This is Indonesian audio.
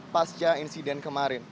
pasca insiden kemarin